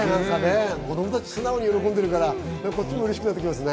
子供たち素直に喜んでいるから、こっちもうれしくなってきますね。